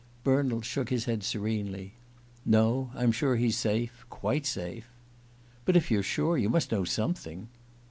Bernald shook his head serenely. "No. I'm sure he's safe quite safe." "But if you're sure, you must know something."